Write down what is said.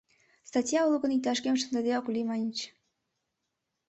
«Статья уло гын, иктаж-кӧм шындыде ок лий», — маньыч...